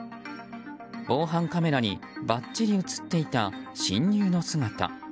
防犯カメラにばっちり映っていた侵入の姿。